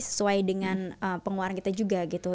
sesuai dengan pengeluaran kita juga gitu